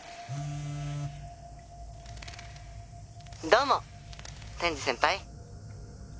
「どうも天智先輩」